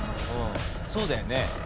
そうだよね。